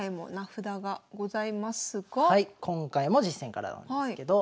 今回も実戦からなんですけど。